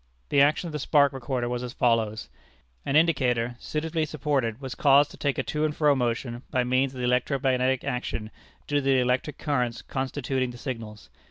The action of the Spark Recorder was as follows. An indicator, suitably supported, was caused to take a to and fro motion, by means of the electro magnetic action due to the electric currents constituting the signals.